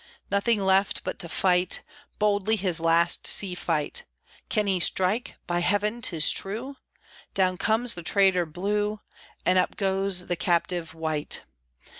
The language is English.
Nothing left but to fight Boldly his last sea fight! Can he strike? By Heaven, 'tis true! Down comes the traitor Blue, And up goes the captive White!